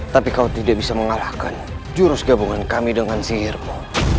tapi kau tidak bisa mengalahkan jurus gabungan kami dengan sihirmu